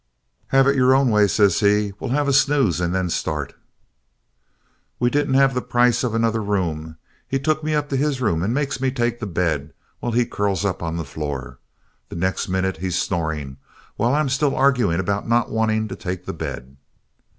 "'Have it your own way,' says he. 'We'll have a snooze and then start.' "We didn't have the price of another room. He took me up to his room and makes me take the bed while he curls up on the floor. The next minute he's snoring while I was still arguing about not wanting to take the bed.